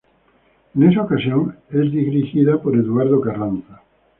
En esa ocasión es dirigida por Eduardo Carranza.